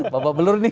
bapak belur nih